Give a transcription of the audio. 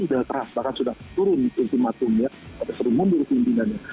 sudah teras bahkan sudah turun ke intimatumnya atau sering mundur ke intimannya